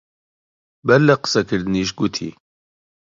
بەر لە قسە کردنیش گوتی: